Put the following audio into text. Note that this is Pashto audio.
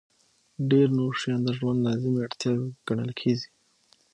ډېر نور شیان د ژوند لازمي اړتیاوې ګڼل کېږي.